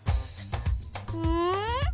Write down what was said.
うん？